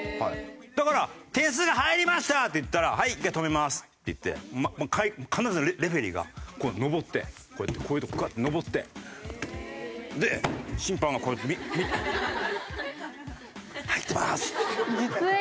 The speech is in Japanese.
だから「点数が入りました」って言ったら「はい１回止めます」って言って必ずレフェリーが登ってこういうとこガッて登って審判がこうやって「入ってます」。